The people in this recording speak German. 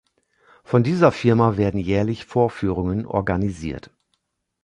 Von dieser Firma werden jährlich Vorführungen organisiert.